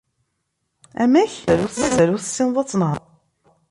Amek...? Mazal ur tessineḍ ad tnehreḍ?